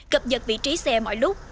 cập nhật vị trí xe mọi lúc